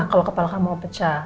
kalau kepala kamu pecah